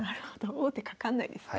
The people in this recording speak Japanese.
王手かかんないですね。